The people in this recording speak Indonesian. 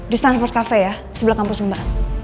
di standford cafe ya sebelah kampus mbak